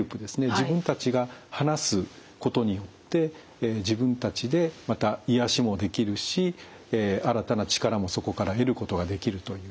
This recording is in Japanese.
自分たちが話すことによって自分たちでまた癒やしもできるし新たな力もそこから得ることができるという。